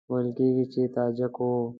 ویل کېږي چې تاجک وو.